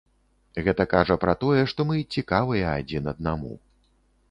Гэта кажа пра тое, што мы цікавыя адзін аднаму.